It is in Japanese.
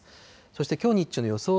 そしてきょう日中の予想